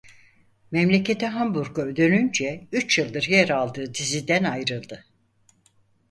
Memleketi Hamburg'a dönünce üç yıldır yer aldığı diziden ayrıldı.